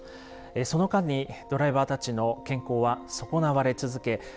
その間にドライバーたちの健康は損なわれ続け